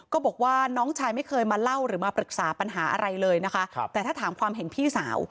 บอกว่าน้องชายไม่เคยมาเล่าหรือมาปรึกษาปัญหาอะไรเลยนะคะแต่ถ้าถามความเห็นพี่สาว